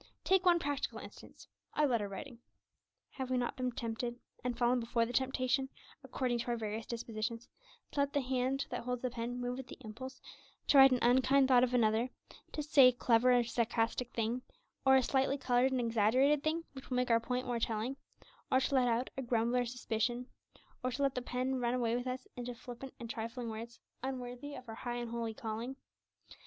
Take one practical instance our letter writing. Have we not been tempted (and fallen before the temptation), according to our various dispositions, to let the hand that holds the pen move at the impulse to write an unkind thought of another; or to say a clever and sarcastic thing, or a slightly coloured and exaggerated thing, which will make our point more telling; or to let out a grumble or a suspicion; or to let the pen run away with us into flippant and trifling words, unworthy of our high and holy calling?